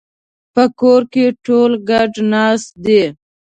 په کور کې ټول ګډ ناست دي